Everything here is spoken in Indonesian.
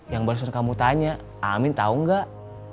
yang baru suruh kamu tanya amin tau gak